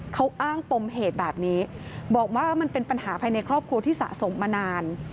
เขาอ้างปมเหตุแบบนี้บอกว่ามันเป็นปัญหาภายในครอบครัวที่สะสมมานาน